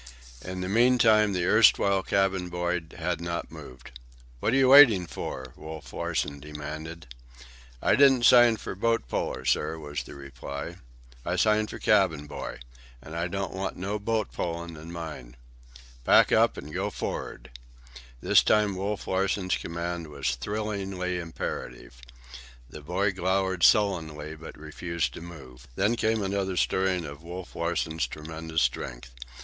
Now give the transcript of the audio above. In the meantime the erstwhile cabin boy had not moved. "What are you waiting for?" Wolf Larsen demanded. "I didn't sign for boat puller, sir," was the reply. "I signed for cabin boy. An' I don't want no boat pullin' in mine." "Pack up and go for'ard." This time Wolf Larsen's command was thrillingly imperative. The boy glowered sullenly, but refused to move. Then came another stirring of Wolf Larsen's tremendous strength.